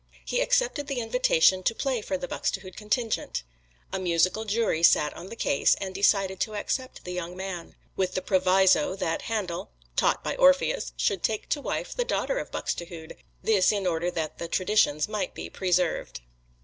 He accepted the invitation to play for the Buxtehude contingent. A musical jury sat on the case, and decided to accept the young man, with the proviso that Handel (taught by Orpheus) should take to wife the daughter of Buxtehude this in order that the traditions might be preserved.